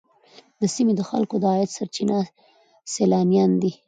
د سیمې د خلکو د عاید سرچینه سیلانیان دي.